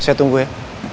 saya tunggu ya